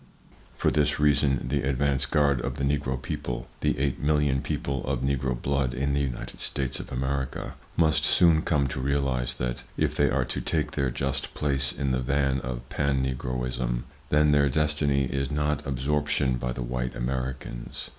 For this reason, the advance guard of the Negro people—the 8,000,000 people of Negro blood in the United States of America—must soon come to realize that if they are to take their just place in the van of Pan Negroism, then their destiny is not absorption by the white Americans.